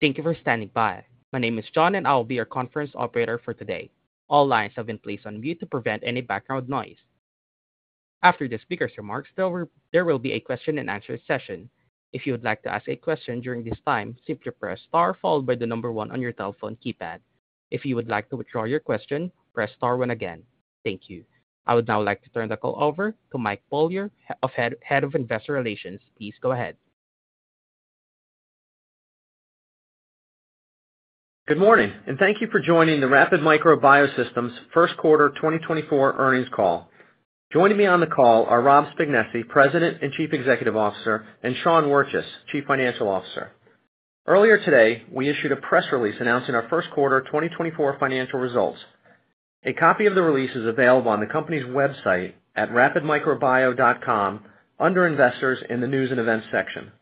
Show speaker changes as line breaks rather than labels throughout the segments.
Thank you for standing by. My name is John, and I will be your conference operator for today. All lines have been placed on mute to prevent any background noise. After the speaker's remarks, there will be a question-and-answer session. If you would like to ask a question during this time, simply press Star followed by the number one on your telephone keypad. If you would like to withdraw your question, press Star one again. Thank you. I would now like to turn the call over to Mike Beaulieu, Head of Investor Relations. Please go ahead.
Good morning, and thank you for joining the Rapid Micro Biosystems first quarter 2024 earnings call. Joining me on the call are Rob Spignesi, President and Chief Executive Officer, and Sean Wirtjes, Chief Financial Officer. Earlier today, we issued a press release announcing our first quarter 2024 financial results. A copy of the release is available on the company's website at rapidmicrobio.com under Investors, in the News and Events section.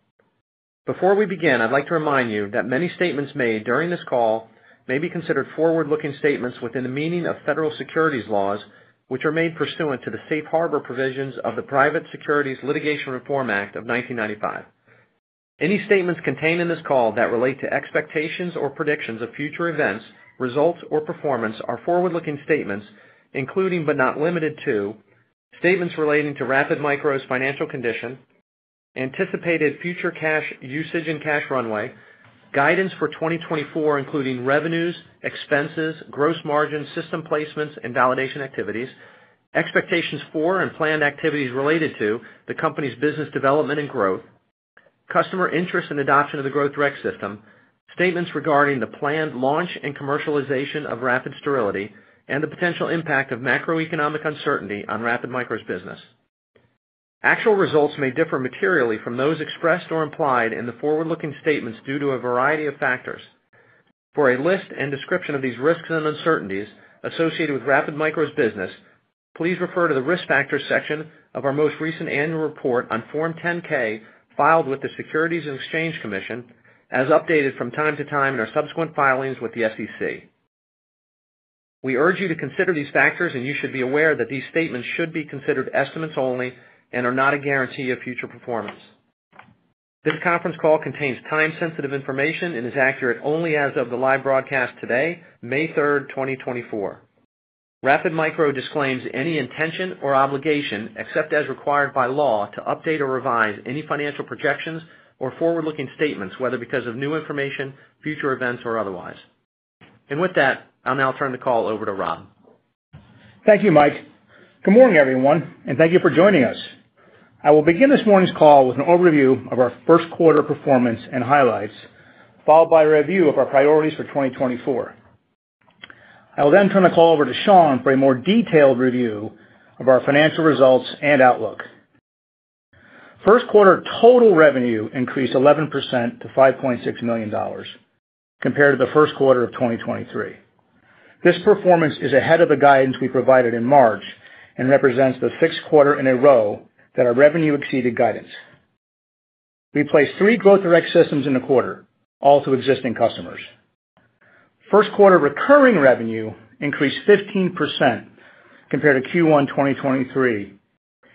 Before we begin, I'd like to remind you that many statements made during this call may be considered forward-looking statements within the meaning of federal securities laws, which are made pursuant to the Safe Harbor provisions of the Private Securities Litigation Reform Act of 1995. Any statements contained in this call that relate to expectations or predictions of future events, results, or performance are forward-looking statements, including, but not limited to, statements relating to Rapid Micro's financial condition, anticipated future cash usage and cash runway, guidance for 2024, including revenues, expenses, gross margin, system placements, and validation activities, expectations for and planned activities related to the company's business development and growth, customer interest and adoption of the Growth Direct System, statements regarding the planned launch and commercialization of Rapid Sterility, and the potential impact of macroeconomic uncertainty on Rapid Micro's business. Actual results may differ materially from those expressed or implied in the forward-looking statements due to a variety of factors. For a list and description of these risks and uncertainties associated with Rapid Micro's business, please refer to the Risk Factors section of our most recent annual report on Form 10-K, filed with the Securities and Exchange Commission, as updated from time to time in our subsequent filings with the SEC. We urge you to consider these factors, and you should be aware that these statements should be considered estimates only and are not a guarantee of future performance. This conference call contains time-sensitive information and is accurate only as of the live broadcast today, May 3rd, 2024. Rapid Micro disclaims any intention or obligation, except as required by law, to update or revise any financial projections or forward-looking statements, whether because of new information, future events, or otherwise. With that, I'll now turn the call over to Rob.
Thank you, Mike. Good morning, everyone, and thank you for joining us. I will begin this morning's call with an overview of our first quarter performance and highlights, followed by a review of our priorities for 2024. I will then turn the call over to Sean for a more detailed review of our financial results and outlook. First quarter total revenue increased 11% to $5.6 million compared to the first quarter of 2023. This performance is ahead of the guidance we provided in March and represents the sixth quarter in a row that our revenue exceeded guidance. We placed three Growth Direct systems in the quarter, all to existing customers. First quarter recurring revenue increased 15% compared to Q1 2023,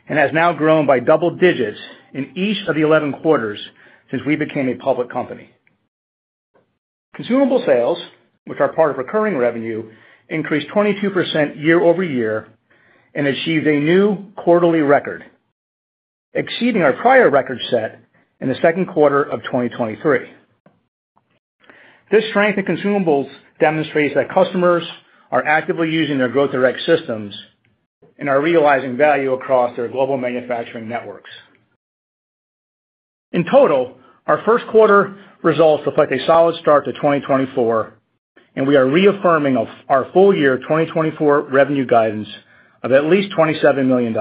and has now grown by double digits in each of the 11 quarters since we became a public company. Consumable sales, which are part of recurring revenue, increased 22% year-over-year and achieved a new quarterly record, exceeding our prior record set in the second quarter of 2023. This strength in consumables demonstrates that customers are actively using their Growth Direct systems and are realizing value across their global manufacturing networks. In total, our first quarter results reflect a solid start to 2024, and we are reaffirming of our full year 2024 revenue guidance of at least $27 million,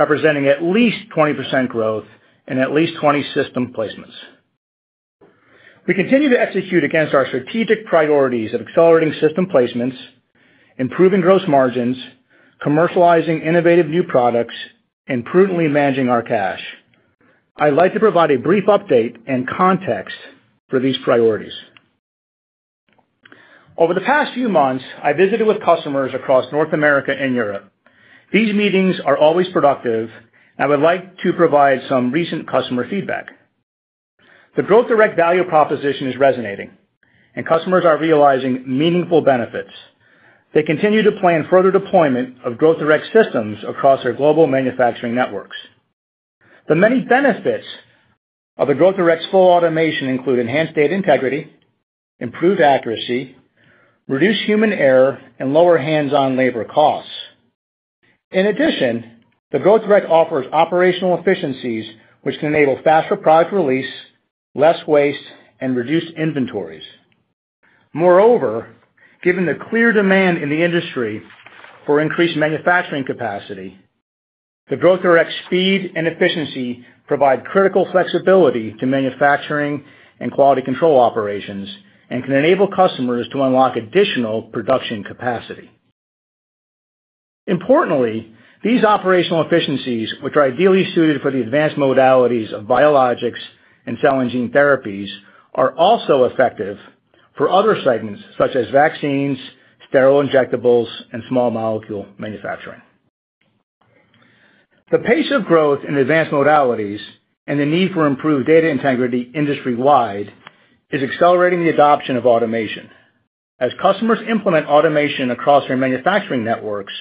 representing at least 20% growth and at least 20 system placements. We continue to execute against our strategic priorities of accelerating system placements, improving gross margins, commercializing innovative new products, and prudently managing our cash. I'd like to provide a brief update and context for these priorities. Over the past few months, I visited with customers across North America and Europe. These meetings are always productive, and I would like to provide some recent customer feedback. The Growth Direct value proposition is resonating, and customers are realizing meaningful benefits. They continue to plan further deployment of Growth Direct systems across their global manufacturing networks. The many benefits of the Growth Direct's full automation include enhanced data integrity, improved accuracy, reduced human error, and lower hands-on labor costs. In addition, the Growth Direct offers operational efficiencies, which can enable faster product release, less waste, and reduced inventories. Moreover, given the clear demand in the industry for increased manufacturing capacity, the Growth Direct speed and efficiency provide critical flexibility to manufacturing and quality control operations and can enable customers to unlock additional production capacity. Importantly, these operational efficiencies, which are ideally suited for the advanced modalities of biologics and cell and gene therapies, are also effective for other segments such as vaccines, sterile injectables, and small molecule manufacturing. The pace of growth in advanced modalities and the need for improved data integrity industry-wide is accelerating the adoption of automation. As customers implement automation across their manufacturing networks,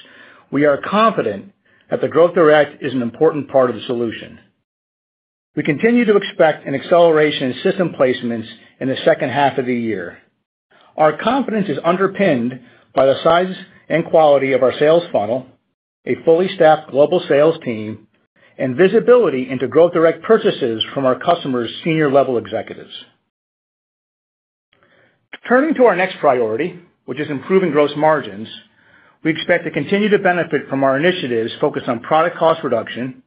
we are confident that the Growth Direct is an important part of the solution. We continue to expect an acceleration in system placements in the second half of the year. Our confidence is underpinned by the size and quality of our sales funnel, a fully staffed global sales team, and visibility into Growth Direct purchases from our customers' senior-level executives. Turning to our next priority, which is improving gross margins, we expect to continue to benefit from our initiatives focused on product cost reduction,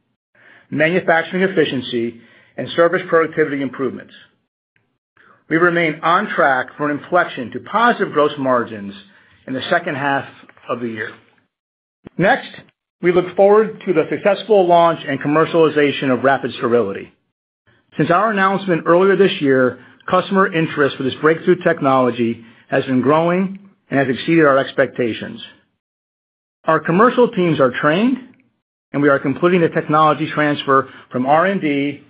manufacturing efficiency, and service productivity improvements. We remain on track for an inflection to positive gross margins in the second half of the year. Next, we look forward to the successful launch and commercialization of Rapid Sterility. Since our announcement earlier this year, customer interest for this breakthrough technology has been growing and has exceeded our expectations. Our commercial teams are trained, and we are completing the technology transfer from R&D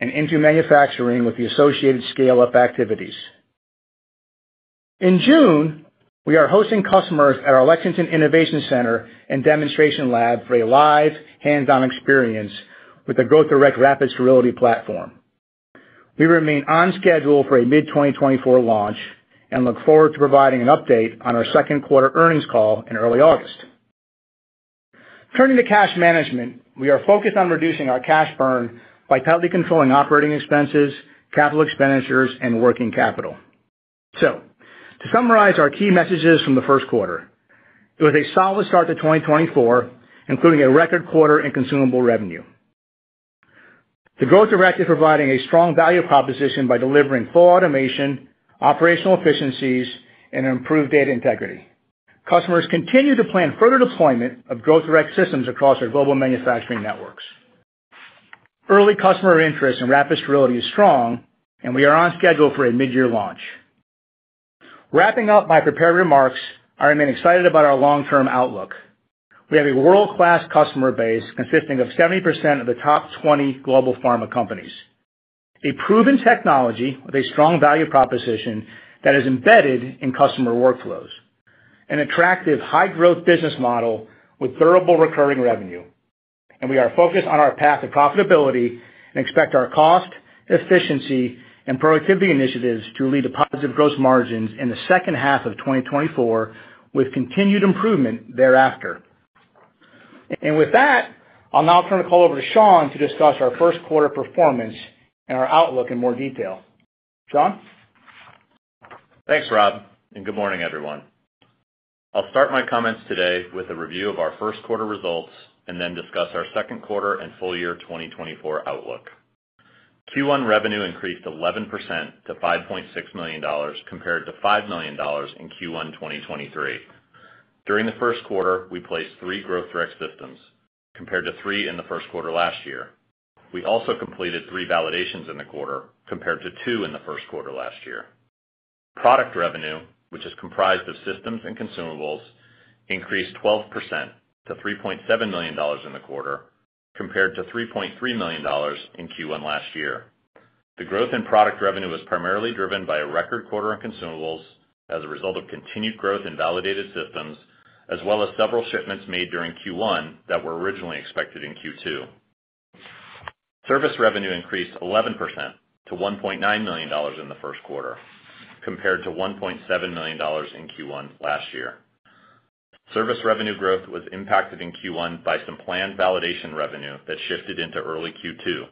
and into manufacturing with the associated scale-up activities. In June, we are hosting customers at our Lexington Innovation Center and Demonstration Lab for a live, hands-on experience with the Growth Direct Rapid Sterility platform. We remain on schedule for a mid-2024 launch and look forward to providing an update on our second quarter earnings call in early August. Turning to cash management, we are focused on reducing our cash burn by tightly controlling operating expenses, capital expenditures, and working capital. To summarize our key messages from the first quarter, it was a solid start to 2024, including a record quarter in consumable revenue. The Growth Direct is providing a strong value proposition by delivering full automation, operational efficiencies, and improved data integrity. Customers continue to plan further deployment of Growth Direct systems across their global manufacturing networks. Early customer interest in Rapid Sterility is strong, and we are on schedule for a mid-year launch. Wrapping up my prepared remarks, I remain excited about our long-term outlook. We have a world-class customer base consisting of 70% of the top 20 global pharma companies, a proven technology with a strong value proposition that is embedded in customer workflows, an attractive, high-growth business model with durable recurring revenue, and we are focused on our path to profitability and expect our cost, efficiency, and productivity initiatives to lead to positive gross margins in the second half of 2024, with continued improvement thereafter. With that, I'll now turn the call over to Sean to discuss our first quarter performance and our outlook in more detail. Sean?
Thanks, Rob, and good morning, everyone. I'll start my comments today with a review of our first quarter results, and then discuss our second quarter and full year 2024 outlook. Q1 revenue increased 11% to $5.6 million, compared to $5 million in Q1 2023. During the first quarter, we placed three Growth Direct systems, compared to three in the first quarter last year. We also completed three validations in the quarter, compared to two in the first quarter last year. Product revenue, which is comprised of systems and consumables, increased 12% to $3.7 million in the quarter, compared to $3.3 million in Q1 last year. The growth in product revenue was primarily driven by a record quarter on consumables as a result of continued growth in validated systems, as well as several shipments made during Q1 that were originally expected in Q2. Service revenue increased 11% to $1.9 million in the first quarter, compared to $1.7 million in Q1 last year. Service revenue growth was impacted in Q1 by some planned validation revenue that shifted into early Q2.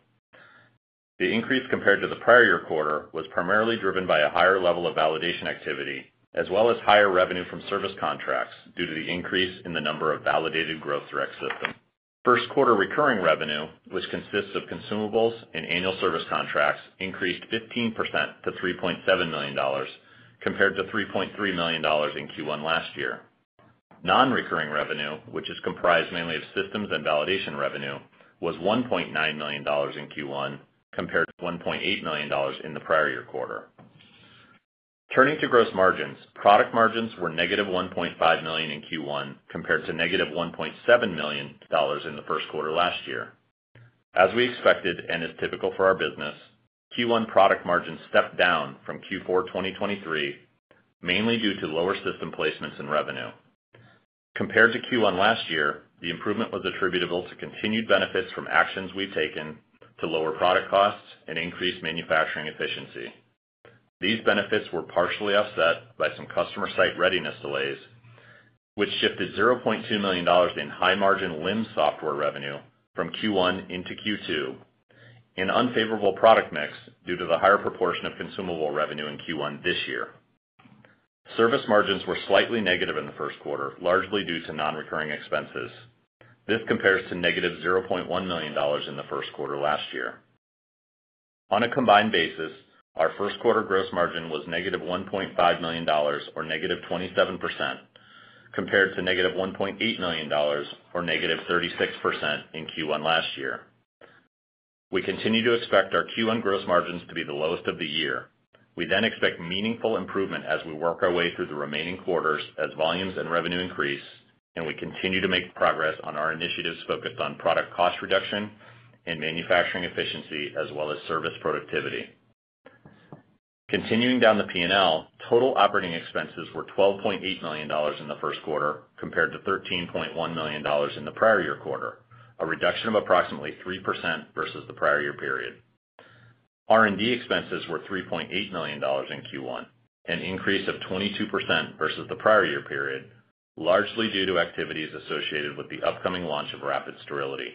The increase compared to the prior year quarter was primarily driven by a higher level of validation activity, as well as higher revenue from service contracts due to the increase in the number of validated Growth Direct systems. First quarter recurring revenue, which consists of consumables and annual service contracts, increased 15% to $3.7 million, compared to $3.3 million in Q1 last year. Non-recurring revenue, which is comprised mainly of systems and validation revenue, was $1.9 million in Q1, compared to $1.8 million in the prior year quarter. Turning to gross margins, product margins were -$1.5 million in Q1, compared to -$1.7 million in the first quarter last year. As we expected, and is typical for our business, Q1 product margins stepped down from Q4 2023, mainly due to lower system placements and revenue. Compared to Q1 last year, the improvement was attributable to continued benefits from actions we've taken to lower product costs and increase manufacturing efficiency. These benefits were partially offset by some customer site readiness delays, which shifted $0.2 million in high-margin LIMS software revenue from Q1 into Q2, and unfavorable product mix due to the higher proportion of consumable revenue in Q1 this year. Service margins were slightly negative in the first quarter, largely due to non-recurring expenses. This compares to negative $0.1 million in the first quarter last year. On a combined basis, our first quarter gross margin was negative $1.5 million, or negative 27%, compared to negative $1.8 million, or negative 36% in Q1 last year.... We continue to expect our Q1 gross margins to be the lowest of the year. We then expect meaningful improvement as we work our way through the remaining quarters, as volumes and revenue increase, and we continue to make progress on our initiatives focused on product cost reduction and manufacturing efficiency, as well as service productivity. Continuing down the P&L, total operating expenses were $12.8 million in the first quarter, compared to $13.1 million in the prior year quarter, a reduction of approximately 3% versus the prior year period. R&D expenses were $3.8 million in Q1, an increase of 22% versus the prior year period, largely due to activities associated with the upcoming launch of Rapid Sterility.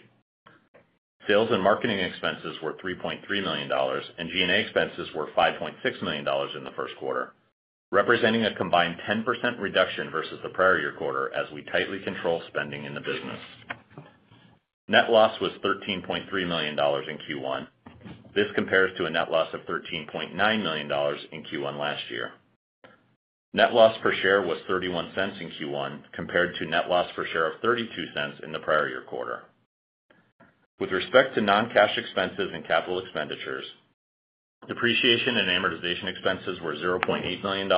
Sales and marketing expenses were $3.3 million, and G&A expenses were $5.6 million in the first quarter, representing a combined 10% reduction versus the prior year quarter as we tightly control spending in the business. Net loss was $13.3 million in Q1. This compares to a net loss of $13.9 million in Q1 last year. Net loss per share was $0.31 in Q1, compared to net loss per share of $0.32 in the prior year quarter. With respect to non-cash expenses and capital expenditures, depreciation and amortization expenses were $0.8 million,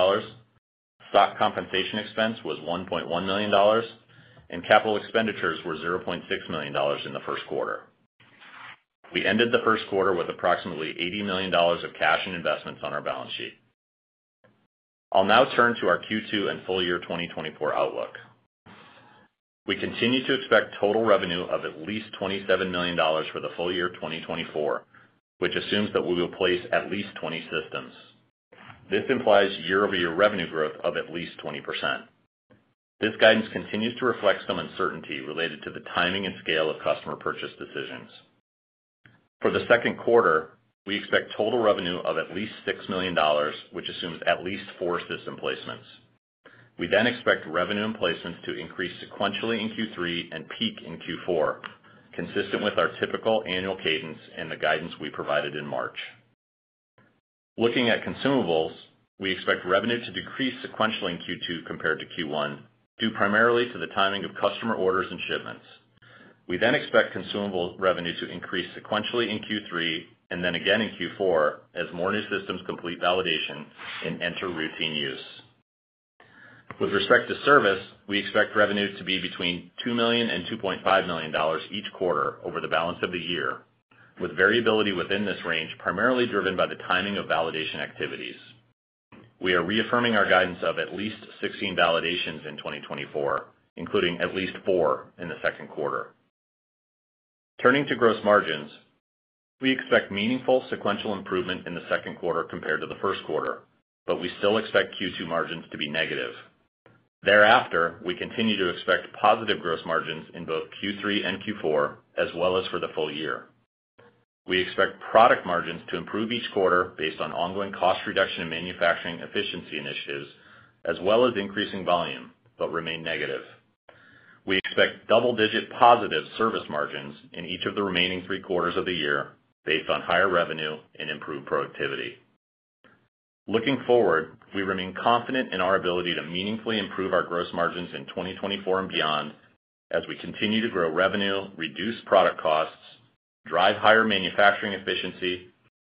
stock compensation expense was $1.1 million, and capital expenditures were $0.6 million in the first quarter. We ended the first quarter with approximately $80 million of cash and investments on our balance sheet. I'll now turn to our Q2 and full year 2024 outlook. We continue to expect total revenue of at least $27 million for the full year 2024, which assumes that we will place at least 20 systems. This implies year-over-year revenue growth of at least 20%. This guidance continues to reflect some uncertainty related to the timing and scale of customer purchase decisions. For the second quarter, we expect total revenue of at least $6 million, which assumes at least 4 system placements. We then expect revenue and placements to increase sequentially in Q3 and peak in Q4, consistent with our typical annual cadence and the guidance we provided in March. Looking at consumables, we expect revenue to decrease sequentially in Q2 compared to Q1, due primarily to the timing of customer orders and shipments. We then expect consumable revenue to increase sequentially in Q3, and then again in Q4, as more new systems complete validation and enter routine use. With respect to service, we expect revenues to be between $2 million and $2.5 million each quarter over the balance of the year, with variability within this range, primarily driven by the timing of validation activities. We are reaffirming our guidance of at least 16 validations in 2024, including at least four in the second quarter. Turning to gross margins, we expect meaningful sequential improvement in the second quarter compared to the first quarter, but we still expect Q2 margins to be negative. Thereafter, we continue to expect positive gross margins in both Q3 and Q4, as well as for the full year. We expect product margins to improve each quarter based on ongoing cost reduction and manufacturing efficiency initiatives, as well as increasing volume, but remain negative. We expect double-digit positive service margins in each of the remaining three quarters of the year, based on higher revenue and improved productivity. Looking forward, we remain confident in our ability to meaningfully improve our gross margins in 2024 and beyond, as we continue to grow revenue, reduce product costs, drive higher manufacturing efficiency,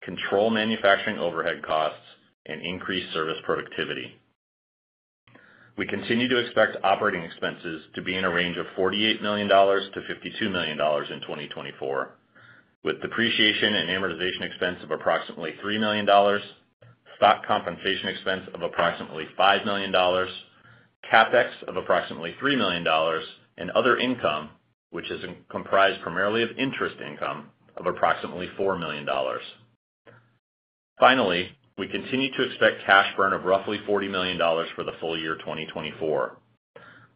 control manufacturing overhead costs, and increase service productivity. We continue to expect operating expenses to be in a range of $48 million-$52 million in 2024, with depreciation and amortization expense of approximately $3 million, stock compensation expense of approximately $5 million, CapEx of approximately $3 million, and other income, which is comprised primarily of interest income of approximately $4 million. Finally, we continue to expect cash burn of roughly $40 million for the full year 2024.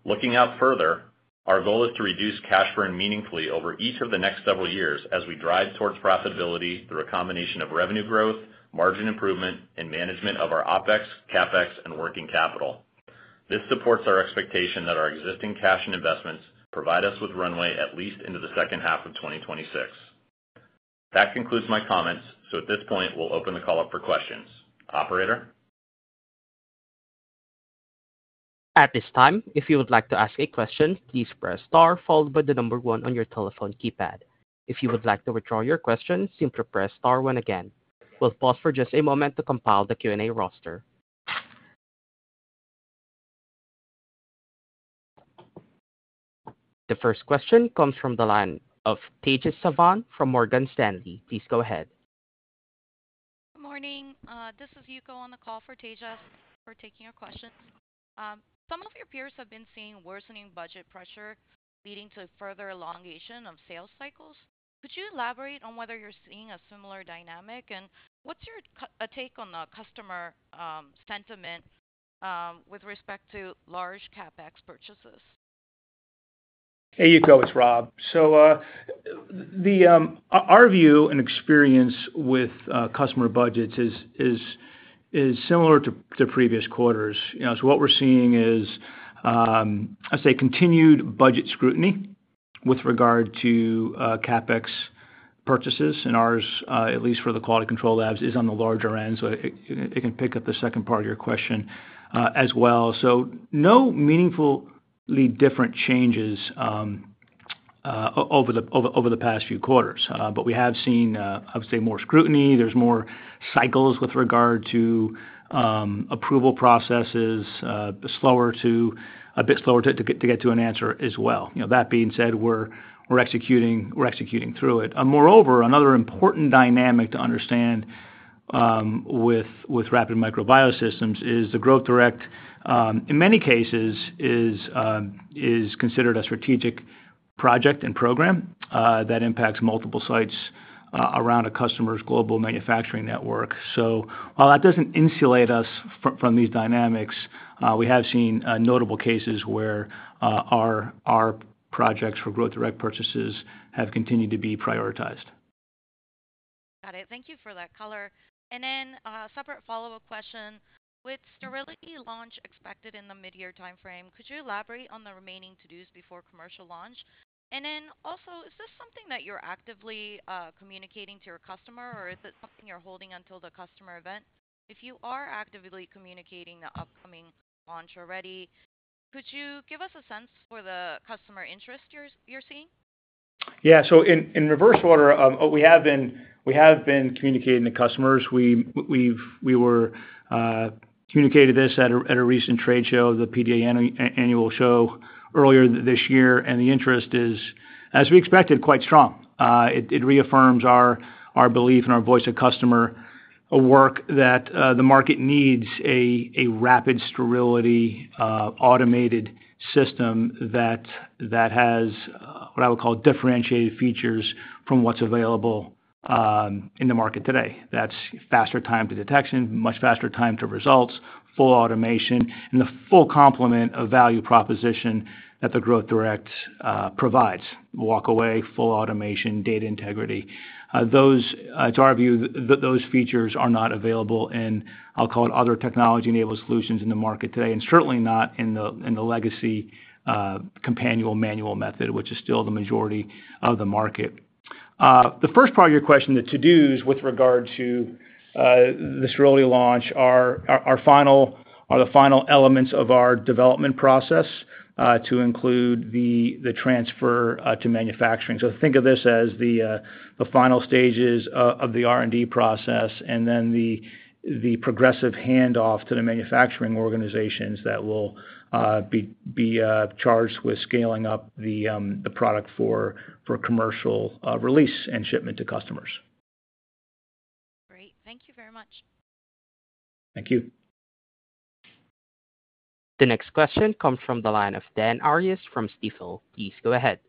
Looking out further, our goal is to reduce cash burn meaningfully over each of the next several years as we drive towards profitability through a combination of revenue growth, margin improvement, and management of our OpEx, CapEx, and working capital. This supports our expectation that our existing cash and investments provide us with runway at least into the second half of 2026. That concludes my comments. So at this point, we'll open the call up for questions. Operator?
At this time, if you would like to ask a question, please press star followed by the number one on your telephone keypad. If you would like to withdraw your question, simply press star one again. We'll pause for just a moment to compile the Q&A roster. The first question comes from the line of Tejas Savant from Morgan Stanley. Please go ahead.
Good morning. This is Yuko on the call for Tejas. Thanks for taking our questions. Some of your peers have been seeing worsening budget pressure leading to further elongation of sales cycles. Could you elaborate on whether you're seeing a similar dynamic? And what's your take on the customer sentiment with respect to large CapEx purchases?
Hey, Yuko, it's Rob. So, our view and experience with customer budgets is similar to previous quarters. You know, so what we're seeing is, I'd say, continued budget scrutiny with regard to CapEx purchases, and ours, at least for the quality control labs, is on the larger end. So it can pick up the second part of your question, as well. So no meaningful-... lead different changes over the past few quarters. But we have seen, I would say, more scrutiny. There's more cycles with regard to approval processes, slower to get to an answer as well. You know, that being said, we're executing through it. And moreover, another important dynamic to understand with Rapid Micro Biosystems is the Growth Direct in many cases is considered a strategic project and program that impacts multiple sites around a customer's global manufacturing network. So while that doesn't insulate us from these dynamics, we have seen notable cases where our projects for Growth Direct purchases have continued to be prioritized.
Got it. Thank you for that color. And then, separate follow-up question: With sterility launch expected in the mid-year timeframe, could you elaborate on the remaining to-dos before commercial launch? And then also, is this something that you're actively communicating to your customer, or is it something you're holding until the customer event? If you are actively communicating the upcoming launch already, could you give us a sense for the customer interest you're seeing?
Yeah, so in reverse order, we have been communicating to customers. We have been communicating this at a recent trade show, the PDA Annual Show earlier this year, and the interest is, as we expected, quite strong. It reaffirms our belief and our voice to customer work that the market needs a rapid sterility automated system that has what I would call differentiated features from what's available in the market today. That's faster time to detection, much faster time to results, full automation, and the full complement of value proposition that the Growth Direct provides. Walk away, full automation, data integrity. To our view, those features are not available in, I'll call it, other technology-enabled solutions in the market today, and certainly not in the legacy companion manual method, which is still the majority of the market. The first part of your question, the to-dos with regard to the sterility launch are the final elements of our development process to include the transfer to manufacturing. So think of this as the final stages of the R&D process, and then the progressive handoff to the manufacturing organizations that will be charged with scaling up the product for commercial release and shipment to customers.
Great. Thank you very much.
Thank you.
The next question comes from the line of Dan Arias from Stifel. Please go ahead.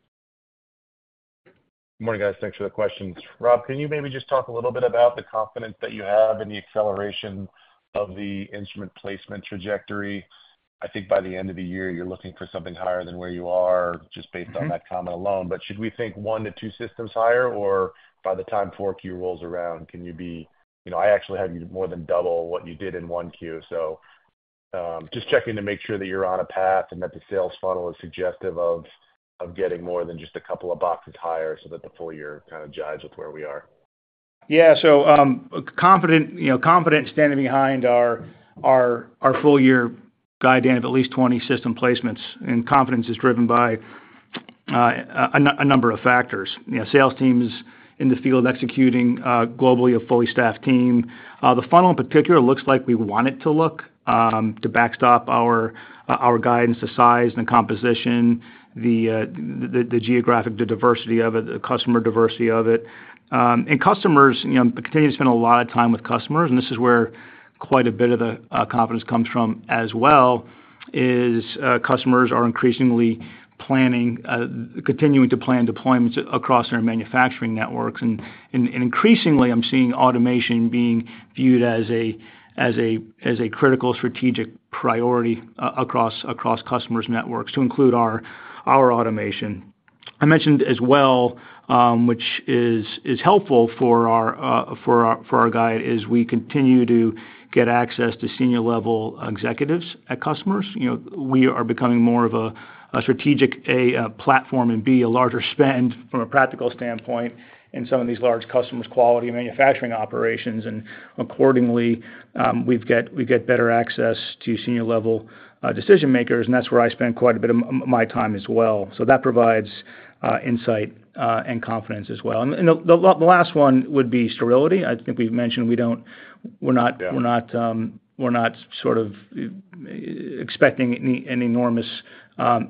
Good morning, guys. Thanks for the questions. Rob, can you maybe just talk a little bit about the confidence that you have in the acceleration of the instrument placement trajectory? I think by the end of the year, you're looking for something higher than where you are, just based on that comment alone. But should we think 1-2 systems higher, or by the time Q4 rolls around, can you be... You know, I actually have you more than double what you did in Q1. So, just checking to make sure that you're on a path and that the sales funnel is suggestive of, of getting more than just a couple of boxes higher so that the full year kind of jives with where we are.
Yeah, so, confident, you know, confident standing behind our, our full-year guidance of at least 20 system placements, and confidence is driven by a number of factors. You know, sales teams in the field executing globally, a fully staffed team. The funnel, in particular, looks like we want it to look to backstop our guidance to size and composition, the geographic diversity of it, the customer diversity of it. And customers, you know, I continue to spend a lot of time with customers, and this is where quite a bit of the confidence comes from as well, is customers are increasingly planning, continuing to plan deployments across our manufacturing networks. Increasingly, I'm seeing automation being viewed as a critical strategic priority across customers' networks to include our automation. I mentioned as well, which is helpful for our guide, is we continue to get access to senior-level executives at customers. You know, we are becoming more of a strategic A platform, and B, a larger spend from a practical standpoint in some of these large customers' quality manufacturing operations. And accordingly, we get better access to senior-level decision makers, and that's where I spend quite a bit of my time as well. So that provides insight and confidence as well. And the last one would be sterility. I think we've mentioned we don't. We're not.... we're not sort of expecting an enormous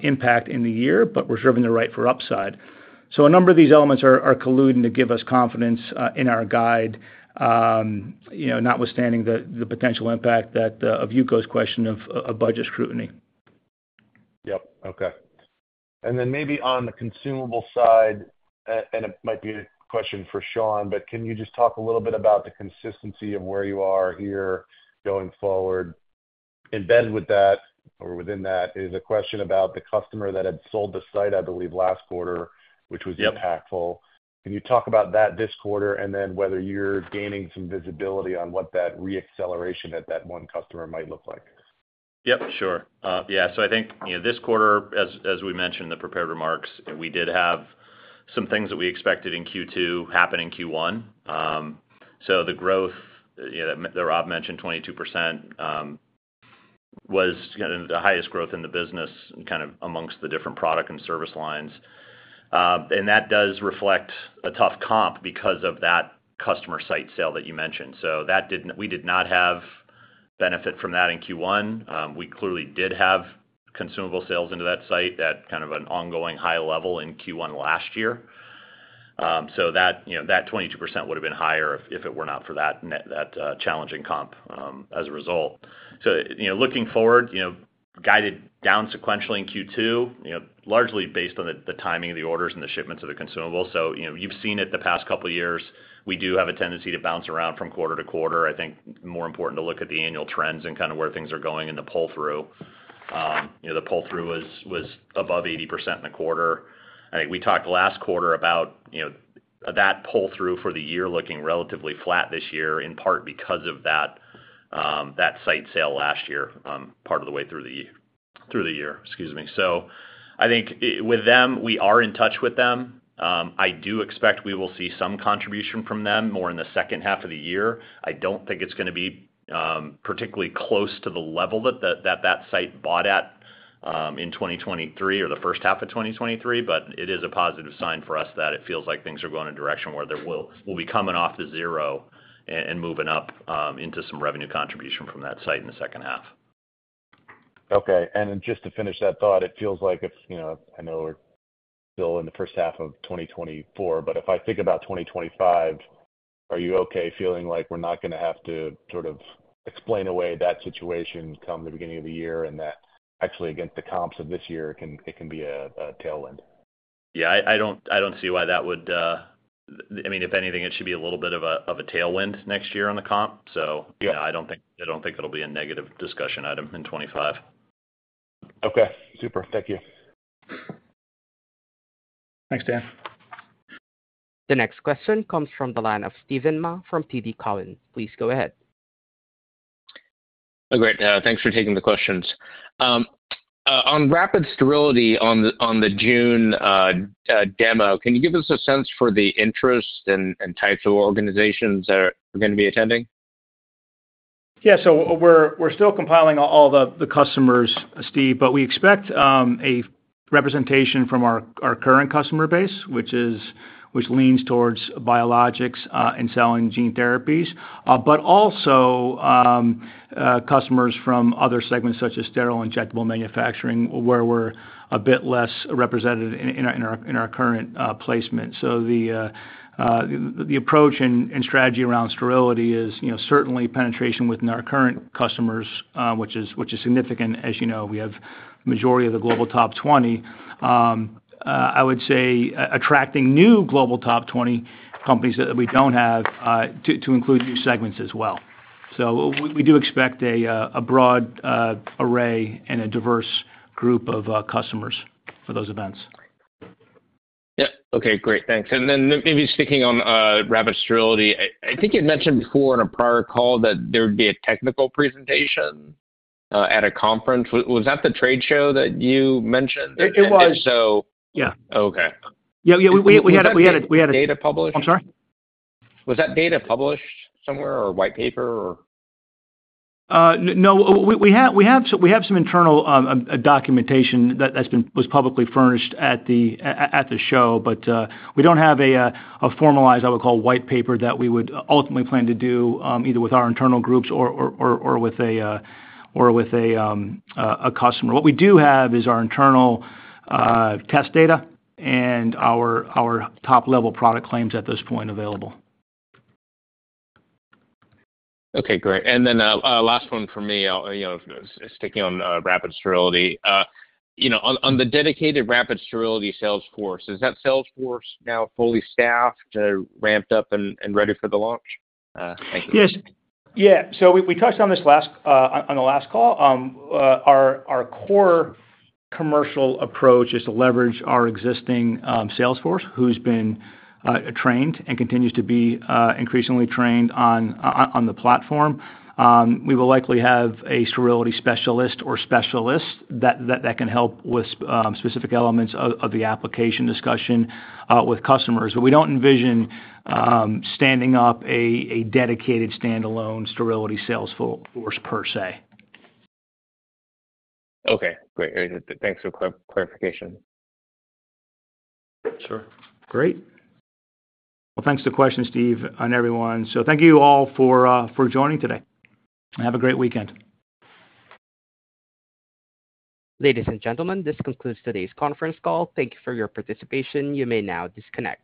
impact in the year, but we're serving the right for upside. So a number of these elements are colluding to give us confidence in our guide, you know, notwithstanding the potential impact that of Yuko's question of budget scrutiny.
Yep. Okay. And then maybe on the consumable side, and it might be a question for Sean, but can you just talk a little bit about the consistency of where you are here going forward? Embedded with that or within that, is a question about the customer that had sold the site, I believe, last quarter- which was impactful. Can you talk about that this quarter, and then whether you're gaining some visibility on what that reacceleration at that one customer might look like?
Yep, sure. Yeah, so I think, you know, this quarter, as we mentioned in the prepared remarks, we did have some things that we expected in Q2 happened in Q1. So the growth, you know, that Rob mentioned, 22%, was kind of the highest growth in the business and kind of amongst the different product and service lines. And that does reflect a tough comp because of that customer site sale that you mentioned. So that didn't—we did not have benefit from that in Q1. We clearly did have consumable sales into that site at kind of an ongoing high level in Q1 last year. So that, you know, that 22% would have been higher if, if it were not for that net, that challenging comp, as a result. So, you know, looking forward, you know, guided down sequentially in Q2, you know, largely based on the timing of the orders and the shipments of the consumables. So, you know, you've seen it the past couple of years. We do have a tendency to bounce around from quarter to quarter. I think more important to look at the annual trends and kind of where things are going in the pull-through. You know, the pull-through was above 80% in the quarter. I think we talked last quarter about, you know, that pull-through for the year looking relatively flat this year, in part because of that, that site sale last year, part of the way through the year, through the year. Excuse me. So I think with them, we are in touch with them. I do expect we will see some contribution from them, more in the second half of the year. I don't think it's gonna be particularly close to the level that site bought at in 2023 or the first half of 2023, but it is a positive sign for us that it feels like things are going in a direction where there will, we'll be coming off to zero and moving up into some revenue contribution from that site in the second half.
Okay. And then just to finish that thought, it feels like it's, you know, I know we're still in the first half of 2024, but if I think about 2025, are you okay feeling like we're not gonna have to sort of explain away that situation come the beginning of the year, and that actually, against the comps of this year, it can, it can be a, a tailwind?
Yeah, I, I don't, I don't see why that would. I mean, if anything, it should be a little bit of a, of a tailwind next year on the comp. I don't think, I don't think it'll be a negative discussion item in 2025.
Okay, super. Thank you.
Thanks, Dan.
The next question comes from the line of Steven Mah from TD Cowen. Please go ahead.
Oh, great. Thanks for taking the questions. On Rapid Sterility on the, on the June demo, can you give us a sense for the interest and types of organizations that are gonna be attending?
Yeah. So we're still compiling all the customers, Steve, but we expect a representation from our current customer base, which leans towards biologics and cell and gene therapies. But also customers from other segments, such as sterile injectable manufacturing, where we're a bit less represented in our current placement. So the approach and strategy around sterility is, you know, certainly penetration within our current customers, which is significant. As you know, we have majority of the global top 20. I would say attracting new global top 20 companies that we don't have to include new segments as well. So we do expect a broad array and a diverse group of customers for those events.
Yeah. Okay, great. Thanks. And then maybe sticking on Rapid Sterility. I think you'd mentioned before in a prior call that there would be a technical presentation at a conference. Was that the trade show that you mentioned?
It was.
And if so-
Yeah.
Okay.
Yeah. Yeah, we had a-
Data published?
I'm sorry?
Was that data published somewhere, or a white paper, or?
No, we have some internal documentation that was publicly furnished at the show, but we don't have a formalized, I would call, white paper that we would ultimately plan to do either with our internal groups or with a customer. What we do have is our internal test data and our top-level product claims at this point available.
Okay, great. And then, last one for me, you know, sticking on, Rapid Sterility. You know, on, on the dedicated Rapid Sterility sales force, is that sales force now fully staffed, ramped up and, and ready for the launch? Thank you.
Yes. Yeah. So we touched on this last on the last call. Our core commercial approach is to leverage our existing sales force, who's been trained and continues to be increasingly trained on the platform. We will likely have a sterility specialist or specialists that can help with specific elements of the application discussion with customers. But we don't envision standing up a dedicated standalone sterility sales force per se.
Okay, great. Thanks for clarification.
Sure. Great. Well, thanks for the question, Steve, and everyone. So thank you all for joining today, and have a great weekend.
Ladies and gentlemen, this concludes today's conference call. Thank you for your participation. You may now disconnect.